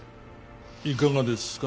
いかがですか？